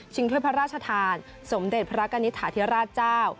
ชิงเทพรรภรรชธานสมเด็จพระกณิษฐาเทียราชเจ้า